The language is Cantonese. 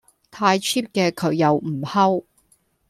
太 Cheap 嘅佢又唔吼